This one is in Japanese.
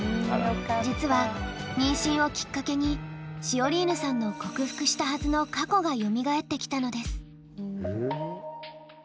実は妊娠をきっかけにシオリーヌさんの克服したはずの過去がよみがえってきたのです。